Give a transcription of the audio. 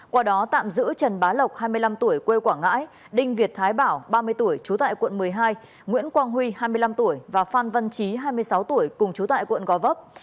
qua đó tạm giữ trần bá lộc hai mươi năm tuổi quê quảng ngãi đinh việt thái bảo ba mươi tuổi trú tại quận một mươi hai nguyễn quang huy hai mươi năm tuổi và phan văn trí hai mươi sáu tuổi cùng chú tại quận gò vấp